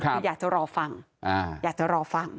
คืออยากจะรอฟังอยากจะรอฟัง